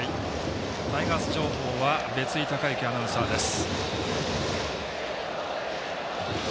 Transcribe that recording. タイガース情報は別井敬之アナウンサーです。